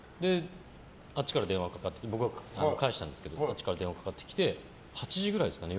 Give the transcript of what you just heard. ってきて僕が返したんですけどあっちから電話かかってきて８時ぐらいですかね。